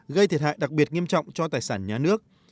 gây thiệt hại đặc biệt nghiêm trọng cho tài sản nhà nước